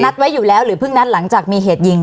ไว้อยู่แล้วหรือเพิ่งนัดหลังจากมีเหตุยิง